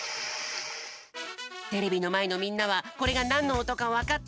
テレビのまえのみんなはこれがなんのおとかわかったかな？